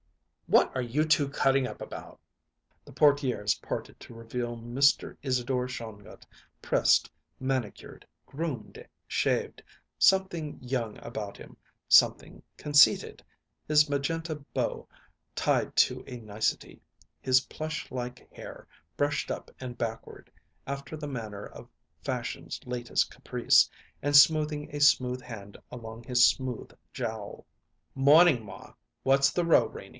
What are you two cutting up about?" The portières parted to reveal Mr. Isadore Shongut, pressed, manicured, groomed, shaved something young about him; something conceited; his magenta bow tied to a nicety, his plushlike hair brushed up and backward after the manner of fashion's latest caprice, and smoothing a smooth hand along his smooth jowl. "Morning, ma. What's the row, Renie?